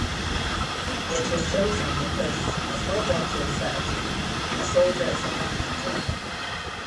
It was chosen because, as Lord Elcho said, A soldier is a man hunter.